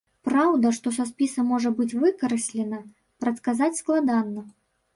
Праўда, што са спіса можа быць выкраслена, прадказаць складана.